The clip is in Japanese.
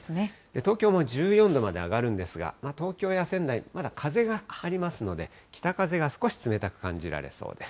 東京も１４度まで上がるんですが、東京や仙台、まだ風がありますので、北風が少し冷たく感じられそうです。